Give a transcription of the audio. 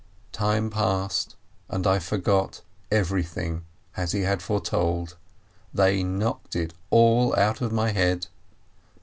Time passed, and I forgot everything, as he had fore told. They knocked it all out of my head.